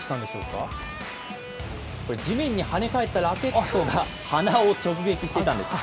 これ、地面に跳ね返ったラケットが鼻を直撃していたんです。